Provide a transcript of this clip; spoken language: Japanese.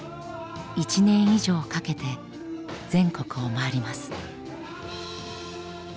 １年以上かけて全国を回ります。